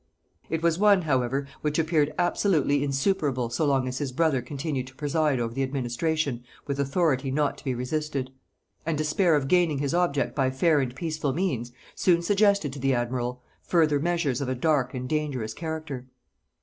It was one, however, which appeared absolutely insuperable so long as his brother continued to preside over the administration with authority not to be resisted; and despair of gaining his object by fair and peaceful means, soon suggested to the admiral further measures of a dark and dangerous character.